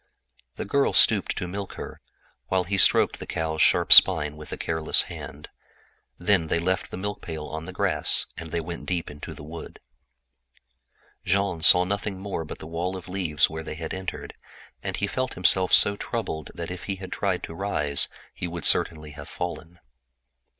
The girl stooped to milk her, while he stroked the cow's sharp spine with a careless hand. Then they left the milk pail on the grass, and went deep into the wood. Jean saw nothing but the wall of leaves where they had entered; and he felt himself so troubled that if he had tried to rise he would certainly have fallen.